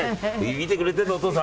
見てくれてる、お父さん。